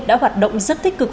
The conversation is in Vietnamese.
đã hoạt động rất thích cực